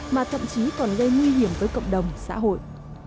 mà thậm chí còn gây nguy hiểm với cộng đồng xã hội